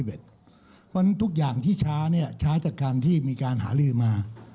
ทั้งคืนวันที่๓๑วันนั้นทุกอย่างที่ช้าเนี่ยช้าจากการที่มีการหาลือมา